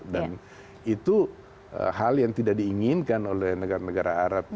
dan itu hal yang tidak diinginkan oleh negara negara arab